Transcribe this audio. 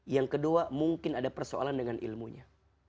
yang kedua mungkin ada persoalan dengan ilmunya